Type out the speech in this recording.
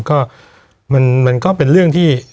ก็มันก็เป็นเรื่องที่